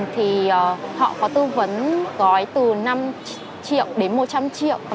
thì họ có tư vấn gói từ năm triệu đến một trăm linh triệu